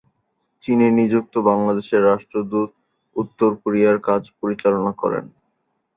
চীনে নিযুক্ত বাংলাদেশের রাষ্ট্রদূত উত্তর কোরিয়ার কাজ পরিচালনা করেন।